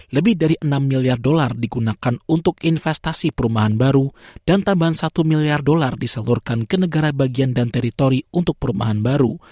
lebih dari enam miliar dolar digunakan untuk investasi perumahan baru dan tambahan satu miliar dolar diseluruhkan ke negara bagian dan teritori untuk perumahan baru